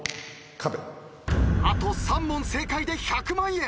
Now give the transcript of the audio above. あと３問正解で１００万円。